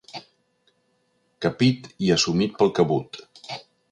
Capit i assumit pel cabut.